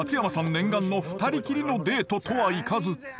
念願の２人きりのデートとはいかず。